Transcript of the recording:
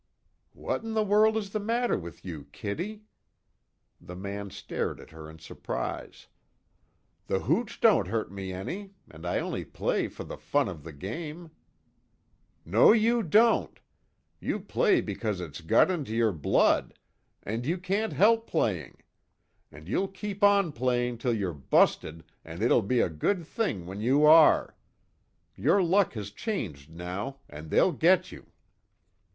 "What in the world is the matter with you, Kitty?" The man stared at her in surprise, "The hooch don't hurt me any and I only play for the fun of the game " "No you don't! You play because its got into your blood, and you can't help playing. And you'll keep on playing till you're busted and it'll be a good thing when you are! Your luck has changed now, and they'll get you."